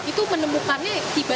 itu menemukannya tiba tiba